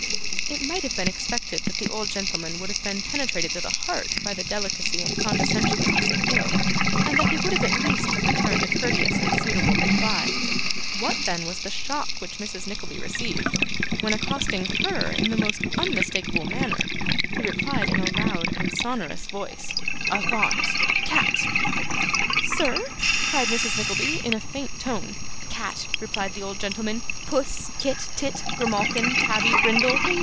It might have been expected that the old gentleman would have been penetrated to the heart by the delicacy and condescension of this appeal, and that he would at least have returned a courteous and suitable reply. What, then, was the shock which Mrs. Nickleby received, when, accosting HER in the most unmistakable manner, he replied in a loud and sonourous voice: 'Avaunt! Cat!' 'Sir!' cried Mrs. Nickleby, in a faint tone. 'Cat!' repeated the old gentleman. 'Puss, Kit, Tit, Grimalkin, Tabby, Brindle!